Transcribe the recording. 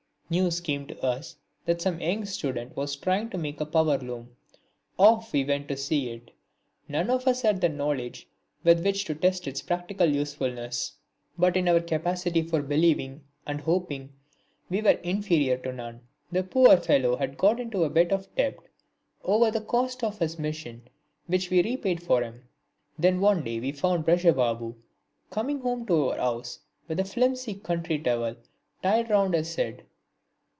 News came to us that some young student was trying to make a power loom. Off we went to see it. None of us had the knowledge with which to test its practical usefulness, but in our capacity for believing and hoping we were inferior to none. The poor fellow had got into a bit of debt over the cost of his machine which we repaid for him. Then one day we found Braja Babu coming over to our house with a flimsy country towel tied round his head.